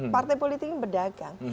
partai politik ini berdagang